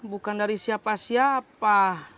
bukan dari siapa siapa